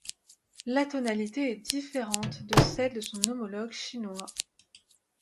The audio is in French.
La tonalité est différente de celle de son homologue chinois.